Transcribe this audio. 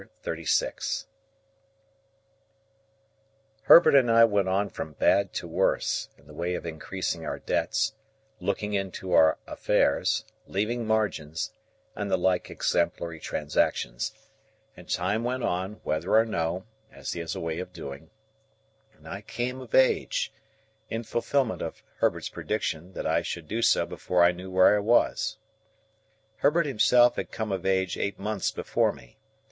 Chapter XXXVI. Herbert and I went on from bad to worse, in the way of increasing our debts, looking into our affairs, leaving Margins, and the like exemplary transactions; and Time went on, whether or no, as he has a way of doing; and I came of age,—in fulfilment of Herbert's prediction, that I should do so before I knew where I was. Herbert himself had come of age eight months before me.